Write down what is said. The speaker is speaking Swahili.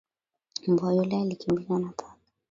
Mbwa yule alikimbizwa na paka